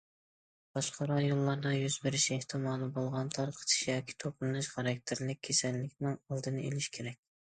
باشقا رايونلاردا يۈز بېرىش ئېھتىمالى بولغان تارقىتىش ياكى توپلىنىش خاراكتېرلىك كېسەللىكنىڭ ئالدىنى ئېلىش كېرەك.